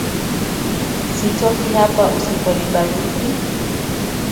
Sitoki hapa usiponibariki.